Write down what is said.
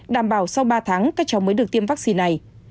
đảm bảo sau ba tháng các cháu mới được tiêm vaccine này